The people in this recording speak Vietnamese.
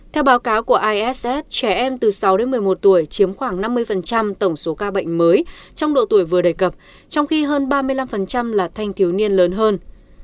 theo báo cáo của iss trẻ em từ sáu đến một mươi một tuổi chiếm khoảng năm mươi tổng số ca bệnh mới trong độ tuổi vừa đề cập trong khi hơn ba mươi năm là thanh thiếu niên lớn hơn